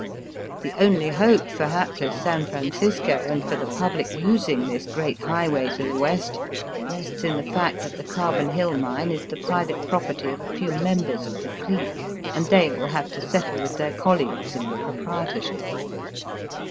The only hope for hapless San Fran cisco and for the pubHc using this great highway to the West rests in the fact that the Carbon Hill Mine is the private property of a few members of the clique, and they will have to settle with their colleagues in the proprietorship.